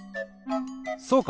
そうか！